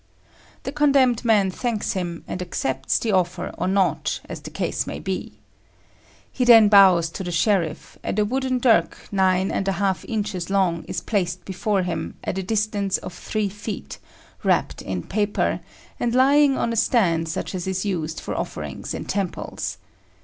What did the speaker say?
The condemned man thanks him and accepts the offer or not, as the case may be. He then bows to the sheriff, and a wooden dirk nine and a half inches long is placed before him at a distance of three feet, wrapped in paper, and lying on a stand such as is used for offerings in temples.